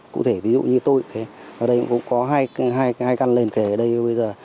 cụ thể ví dụ như tôi ở đây cũng có hai căn liền kê ở đây bây giờ